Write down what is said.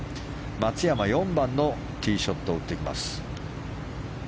松山、４番のティーショットを打っていきます。